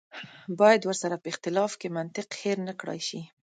باید ورسره په اختلاف کې منطق هېر نه کړای شي.